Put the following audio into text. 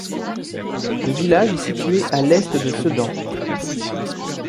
Le village est situé à l'est de Sedan.